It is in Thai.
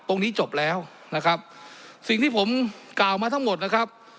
ตรงนี้จบแล้วนะครับสิ่งที่ผมกล่าวมาทั้งหมดนะครับ